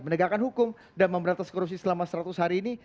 mendegarkan hukum dan pemberantasan korupsi selama seratus hari ini